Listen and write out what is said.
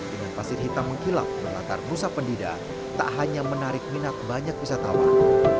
dengan pasir hitam mengkilap melatar musa pendidak tak hanya menarik minat banyak wisatawan